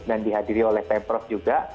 dan dihadiri oleh ppros juga